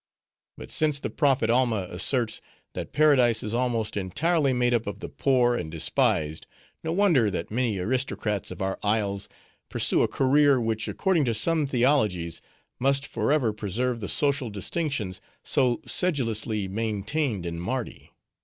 But since the prophet Alma asserts, that Paradise is almost entirely made up of the poor and despised, no wonder that many aristocrats of our isles pursue a career, which, according to some theologies, must forever preserve the social distinctions so sedulously maintained in Mardi.